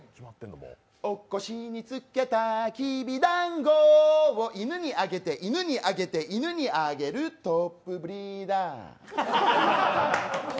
お腰につけたきびだんごを犬にあげて犬にあげて犬にあげるトップブリーダー。